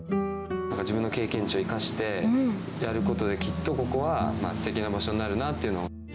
自分の経験値を生かしてやることで、きっとここはすてきな場所になるなっていうのを。